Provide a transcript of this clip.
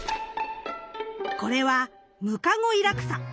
これはムカゴイラクサ。